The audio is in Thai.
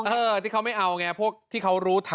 ไปที่เขาไม่เอาเนี่ยพวกที่เขารู้ตัน